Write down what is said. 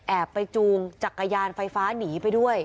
ไปจูงจักรยานไฟฟ้าหนีไปด้วย